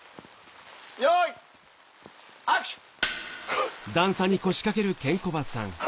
用意アクション！